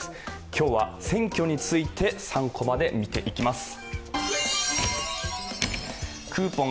今日は選挙について３コマで見ていきます。